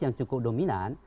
yang cukup dominan